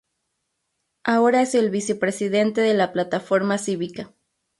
Ahora es el vicepresidente de la Plataforma Cívica.